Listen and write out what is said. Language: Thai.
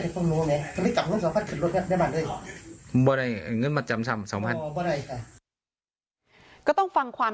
ทายบอกว่าครบกันห้าวันถูกบังคับให้แต่งงาน